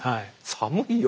寒いよ